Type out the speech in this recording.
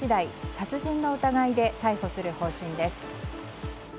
殺人の疑いで逮捕する方針です。